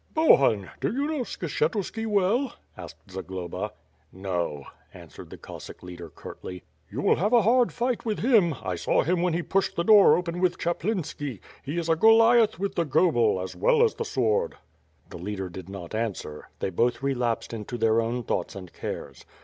"Bohun, do you know Skshetuski well?" asked Zagloba. "No," answered the Cossack leader curtly. "You will have a hard fight with him. I saw him when he pushed the door open with Chaplinski. He is a Goliath with the goblc , as well as the sword." The leader did not answer. They both relapsed into their own thoughts and cares.